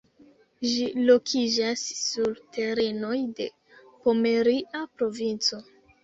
Ĝi lokiĝas sur terenoj de Pomeria Provinco.